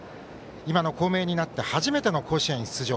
今の校名になって初めての甲子園出場。